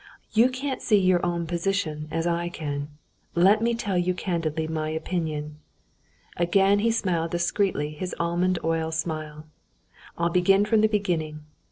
You can't see your own position as I can. Let me tell you candidly my opinion." Again he smiled discreetly his almond oil smile. "I'll begin from the beginning.